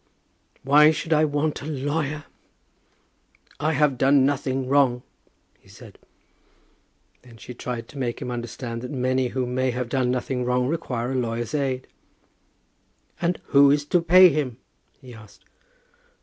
"Why should I want a lawyer? I have done nothing wrong," he said. Then she tried to make him understand that many who may have done nothing wrong require a lawyer's aid. "And who is to pay him?" he asked.